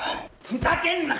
ふざけんな！